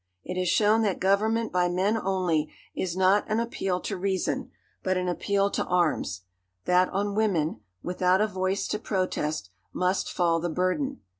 It has shown that government by men only is not an appeal to reason, but an appeal to arms; that on women, without a voice to protest, must fall the burden.